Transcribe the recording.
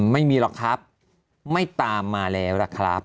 ไม่มีหรอกครับไม่ตามมาแล้วล่ะครับ